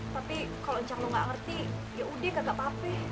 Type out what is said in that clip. tapi kalau cang lo gak ngerti yaudah kagak apa apa